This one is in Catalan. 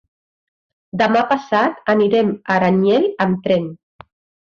Demà passat anirem a Aranyel amb tren.